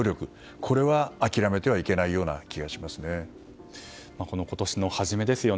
これは諦めてはいけないような今年の初めですよね。